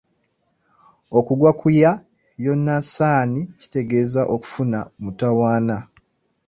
Okugwa ku ya Yonasaani kitegeeza kufuna mutawaana.